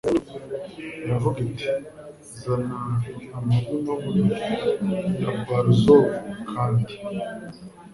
iravuga iti :« Zana amabunobuno ya Baruzovu kandi